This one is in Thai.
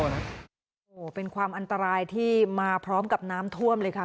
โอ้โหเป็นความอันตรายที่มาพร้อมกับน้ำท่วมเลยค่ะ